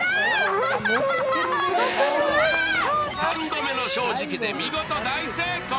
３度目の正直で見事、大成功。